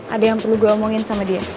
ada yang perlu gue omongin sama dia